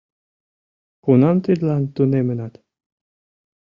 Кунам тидлан тунемынат?